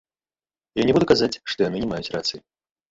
Я не буду казаць, што яны не маюць рацыі.